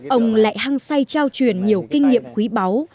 ông lại hăng say trao truyền nhiều kinh nghiệm quý báu